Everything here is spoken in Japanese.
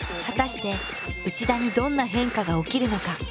果たして内田にどんな変化が起きるのか？